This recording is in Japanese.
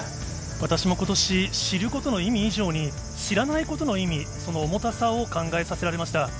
私もことし、知ることの意味以上に、知らないことの意味、その重たさを考えさせられました。